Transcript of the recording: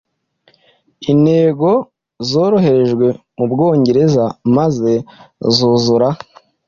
n’intego zoherejwe mu Bwongereza maze zuzura